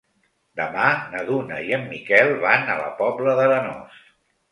Demà na Duna i en Miquel van a la Pobla d'Arenós.